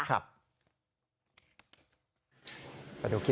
ไปดูคลิป